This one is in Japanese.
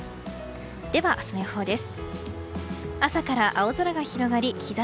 では、明日の予報です。